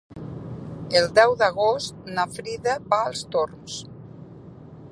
El deu d'agost na Frida va als Torms.